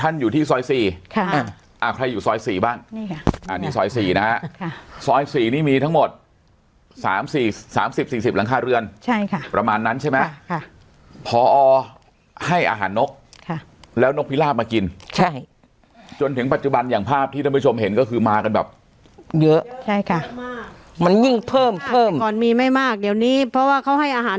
อยู่ที่ซอยสี่ค่ะอ่าใครอยู่ซอยสี่บ้างนี่ค่ะอันนี้ซอยสี่นะฮะค่ะซอยสี่นี่มีทั้งหมดสามสี่สามสิบสี่สิบหลังคาเรือนใช่ค่ะประมาณนั้นใช่ไหมค่ะพอให้อาหารนกค่ะแล้วนกพิราบมากินใช่จนถึงปัจจุบันอย่างภาพที่ท่านผู้ชมเห็นก็คือมากันแบบเยอะใช่ค่ะมันยิ่งเพิ่มเพิ่มก่อนมีไม่มากเดี๋ยวนี้เพราะว่าเขาให้อาหาร